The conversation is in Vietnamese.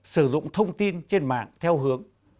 sử dụng thông tin trên mạng theo hướng